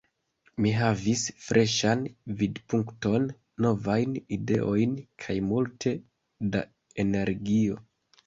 Mi havis freŝan vidpunkton, novajn ideojn kaj multe da energio.